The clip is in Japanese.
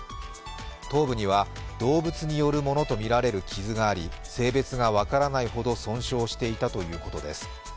頭部には動物によるものと見られる傷があり、性別が分からないほど損傷していたということです。